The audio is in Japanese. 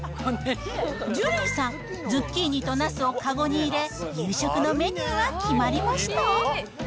ジュリーさん、ズッキーニとナスを籠に入れ、夕食のメニューは決まりました？